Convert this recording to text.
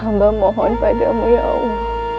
hamba mohon padamu ya allah